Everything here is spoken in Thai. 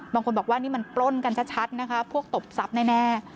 บางคนบอกว่านี่มันปล้นกันชัดนะคะพวกตบทรัพย์แน่